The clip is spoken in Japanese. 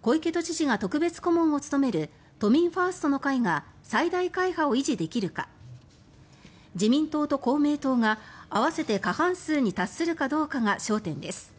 小池都知事が特別顧問を務める都民ファーストの会が最大会派を維持できるか自民党と公明党が合わせて過半数に達するかどうかが焦点です。